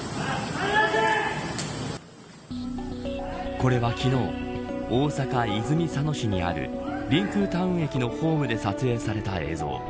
これは昨日大阪、泉佐野市にあるりんくうタウン駅のホームで撮影された映像。